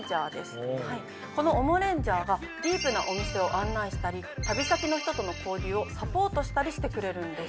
このＯＭＯレンジャーがディープなお店を案内したり旅先の人との交流をサポートしたりしてくれるんです。